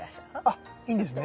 あっいいんですね？